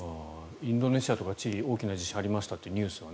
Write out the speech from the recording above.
インドネシアとかチリ大きな地震がありましたというニュースが。